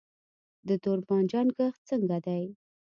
د تور بانجان کښت څنګه دی؟